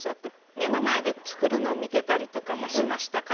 目の前で作るのを見てたりとかもしました彼の家で。